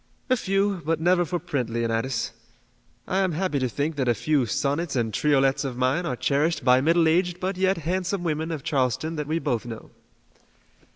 "A few, but never for print, Leonidas. I am happy to think that a few sonnets and triolets of mine are cherished by middle aged but yet handsome women of Charleston that we both know."